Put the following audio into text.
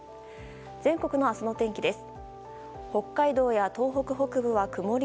全国の明日の天気です。